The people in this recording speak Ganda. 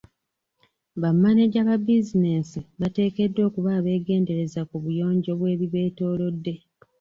Ba maneja ba bizinesi bateekeddwa okuba abeegendereza ku buyonjo bw'ebibeetoolodde.